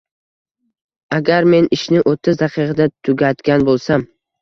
Agar men ishni o‘ttiz daqiqada tugatgan boʻlsam.